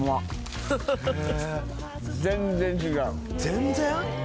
全然？